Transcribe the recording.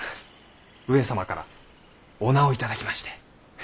上様からお名を頂きまして。